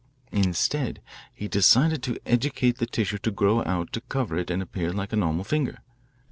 Instead, he decided to educate the tissue to grow out to cover it and appear like a normal finger.